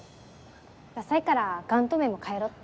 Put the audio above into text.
ダサいからアカウント名も変えろって。